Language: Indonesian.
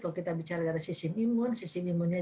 kalau kita bicara dari sistem imun sistem imunnya